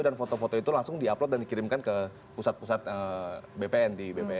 dan foto foto itu langsung di upload dan dikirimkan ke pusat pusat bpn